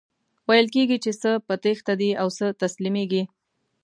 ویل کیږي چی څه په تیښته دي او څه تسلیمیږي.